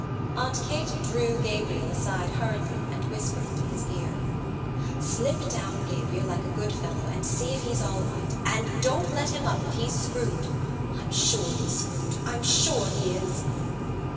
Aunt Kate drew Gabriel aside hurriedly and whispered into his ear: "Slip down, Gabriel, like a good fellow and see if he's all right, and don't let him up if he's screwed. I'm sure he's screwed. I'm sure he is."